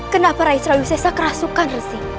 kenapa rai surawisesa kerasukan resi